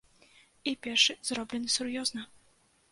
І першы, зроблены сур'ёзна.